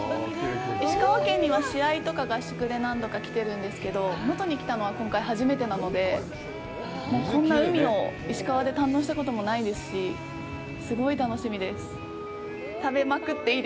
石川県には試合とか合宿で何度か来てるんですけど、能登に来たのは今回初めてなので、もうこんな海を石川で堪能したこともないですし、すごい楽しみです。